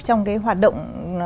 trong cái hoạt động